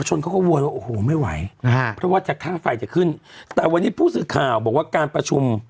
ชนเขาก็วนว่าโอ้โหไม่ไหวนะฮะเพราะว่าจากค่าไฟจะขึ้นแต่วันนี้ผู้สื่อข่าวบอกว่าการประชุม